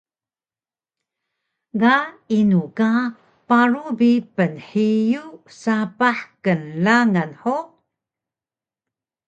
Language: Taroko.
Ga inu ka paru bi pnhiyug sapah knglangan hug?